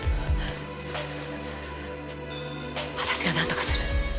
私がなんとかする。